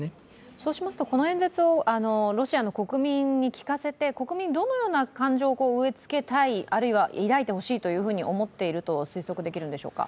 そうしますと、この演説をロシアの国民に聞かせて、国民にどのような感情を植え付けたい、あるいは抱いてほしいと思っていると推測できるんでしょうか？